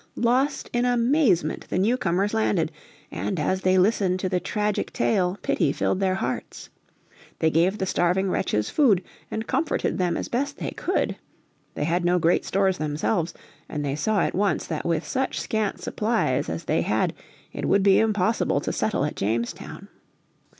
Lost in amazement the newcomers landed, and as they listened to the tragic tale pity filled their hearts. They gave the starving wretches food, and comforted them as best they could. They had no great stores themselves, and they saw at once that with such scant supplies as they had it would be impossible to settle at Jamestown.